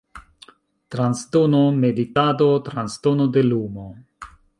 Transdono meditado, transdono de lumo.